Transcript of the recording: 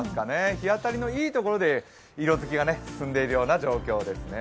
日当たりのいいところで色づきが進んでいるような状況ですね。